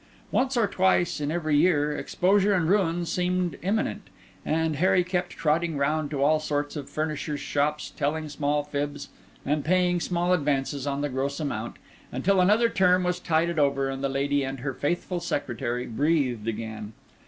Once or twice in every year exposure and ruin seemed imminent, and Harry kept trotting round to all sorts of furnishers' shops, telling small fibs, and paying small advances on the gross amount, until another term was tided over, and the lady and her faithful secretary breathed again.